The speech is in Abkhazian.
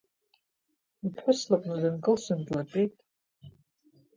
Иԥҳәыс лыҟны дынкылсын, длатәет…